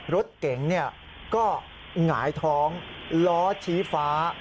รถเก๋งก็หงายท้องล้อชี้ฟ้า